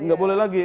gak boleh lagi